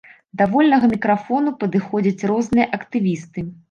Да вольнага мікрафону падыходзяць розныя актывісты.